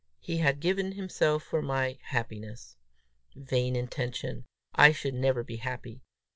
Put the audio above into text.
He had given himself for my happiness! Vain intention! I should never be happy!